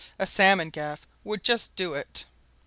"A salmon gaff would just do it."